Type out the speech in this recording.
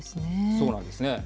そうなんですね。